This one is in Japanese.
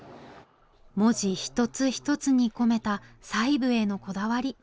文字一つ一つに込めた細部へのこだわり。